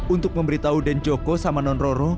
untuk memberitahu danjoko sama non roro